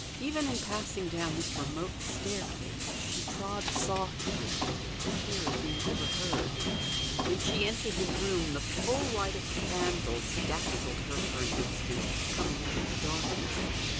Even in passing down this remote staircase, she trod softly for fear of being overheard. When she entered the room, the full light of the candles dazzled her for an instant, coming out of the darkness.